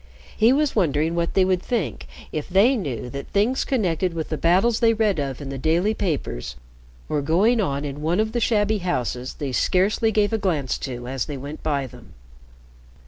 He was wondering what they would think if they knew that things connected with the battles they read of in the daily papers were going on in one of the shabby houses they scarcely gave a glance to as they went by them.